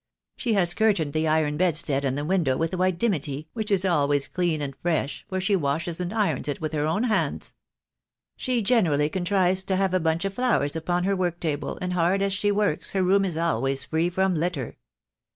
She has curtained the iron bedstead and the window with white dimity, which is always clean and fresh, for she washes and irons it with her own hands. She generally contrives to have a bunch of flowers upon her work table, and hard as she works, her room is always free from litter.